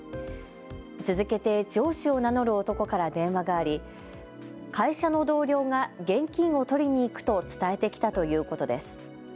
続けて上司を名乗る男から電話があり会社の同僚が現金を取りに行くと伝えてきたということです。